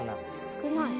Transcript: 少ない。